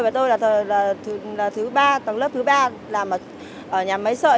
và tôi là thứ ba tầng lớp thứ ba làm ở nhà máy sợi